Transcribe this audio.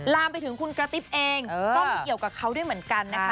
ลามไปถึงคุณกระติ๊บเองก็ไม่เกี่ยวกับเขาด้วยเหมือนกันนะคะ